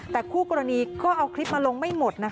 แต่คู่กรณีก็เอาคลิปมาลงไม่หมด